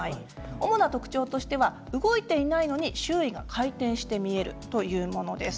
主な特徴としては動いていないのに周囲が回転して見えるというものです。